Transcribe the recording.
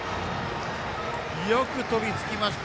よく飛びつきました。